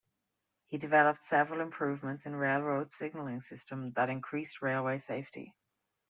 He developed several improvements in railroad signalling system that increased railway safety.